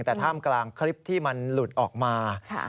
แต่ท่ามกลางคลิปที่มันหลุดออกมา